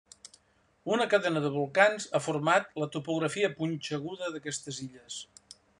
Una cadena de volcans ha format la topografia punxeguda d'aquestes illes.